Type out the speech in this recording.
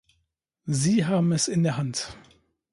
Sie haben es in der Hand.